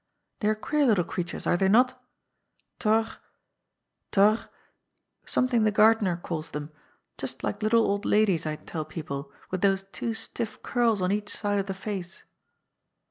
" They are queer little creatures, are they not? Tor — Tor — some thing the gardener calls them— just like little old ladies, I tell people, with those two stiff curls on each side of the face."